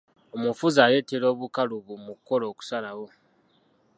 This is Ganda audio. Omufuzi aleetera obukalubu mu kukola okusalawo.